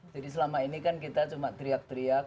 jadi selama ini kan kita cuma teriak teriak